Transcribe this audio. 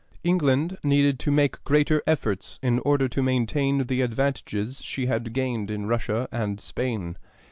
England needed to make greater efforts in order to maintain the advantages she had gained in Russia and Spain.